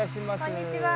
こんにちは。